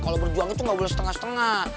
kalau berjuang itu nggak boleh setengah setengah